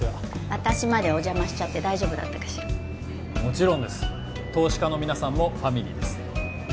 私までお邪魔しちゃって大丈夫だったかしらもちろんです投資家の皆さんもファミリーです